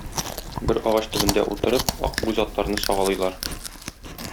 Бер агач төбендә утырып, Акбүз атларны сагалыйлар.